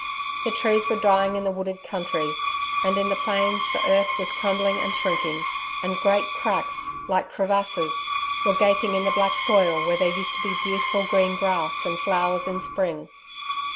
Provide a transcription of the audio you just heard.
The trees were dying in the wooded country; and in the plains the earth was crumbling and shrinking, and great cracks like crevasses were gaping in the black soil where there used to be beautiful green grass and flowers in spring.